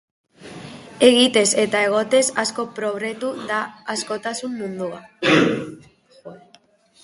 Egitez eta egotez asko probretu da askotasun mundua.